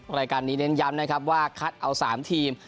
รายการนี้เน้นย้ำนะครับว่าคัดเอา๓ทีม